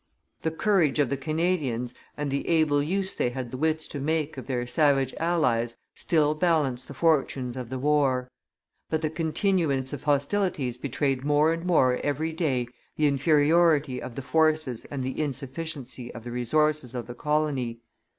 The courage of the Canadians and the able use they had the wits to make of their savage allies still balanced the fortunes of the war; but the continuance of hostilities betrayed more and more every day the inferiority of the forces and the insufficiency of the resources of the colony.